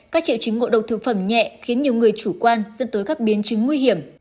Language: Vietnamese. các triệu chứng ngộ độc thực phẩm nhẹ khiến nhiều người chủ quan dẫn tới các biến chứng nguy hiểm